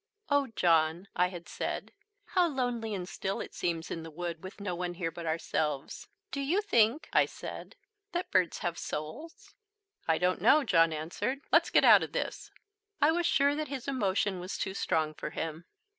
"Oh, John," I had said, "how lonely and still it seems in the wood with no one here but ourselves! Do you think," I said, "that the birds have souls?" "I don't know," John answered, "let's get out of this." I was sure that his emotion was too strong for him.